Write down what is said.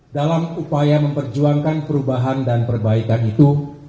dalam upaya memperjuangkan perubahan dan perbaikan itu